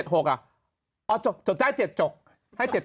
ออกจบได้๗จบให้๗๖